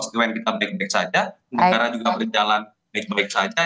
bang dara juga berjalan baik baik saja